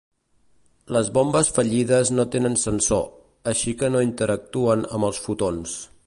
Les bombes fallides no tenen sensor, així que no interactuen amb els fotons.